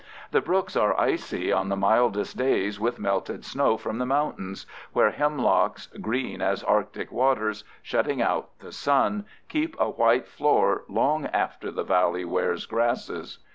The brooks are icy on the mildest days with melted snow from the mountains, where hemlocks green as arctic waters, shutting out the sun, keep a white floor long after the valley wears grasses.